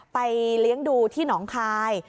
เลี้ยงดูที่หนองคาย